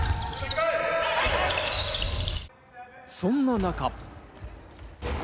そんな中。